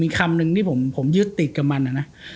มีคำหนึ่งที่ผมยึดติดกับมันอ่ะนะ